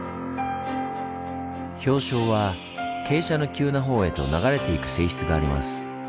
氷床は傾斜の急なほうへと流れていく性質があります。